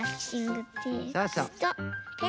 そうそう。